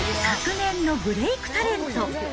昨年のブレイクタレント